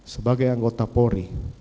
sebagai anggota polri